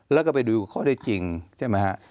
แล้วก็ไปดูข้อได้จริงใช่ไหมฮะ